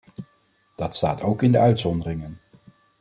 Dat staat ook in de uitzonderingen.